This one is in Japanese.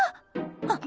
あっ。